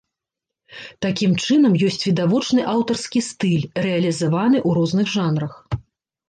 Такім чынам, ёсць відавочны аўтарскі стыль, рэалізаваны ў розных жанрах.